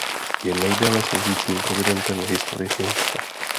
Je nejdéle sloužícím prezidentem v historii Finska.